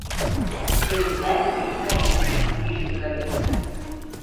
It was met with acclaim from music critics.